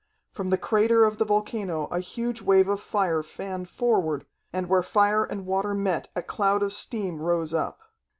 From the crater of the volcano a huge wave of fire fanned forward, and where fire and water met a cloud of steam rose up.